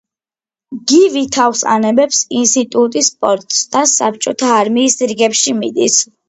გივი თავს ანებებს ინსტიტუტს, სპორტს და საბჭოთა არმიის რიგებში მიდის.